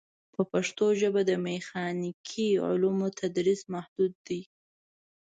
په پښتو ژبه د میخانیکي علومو تدریس محدود دی.